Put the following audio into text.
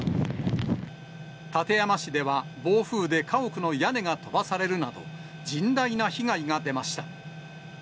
館山市では、暴風で家屋の屋根が飛ばされるなど、甚大な被害が出ました。